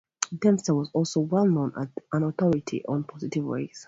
Dempster was also well known as an authority on positive rays.